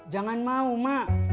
jangan mau mak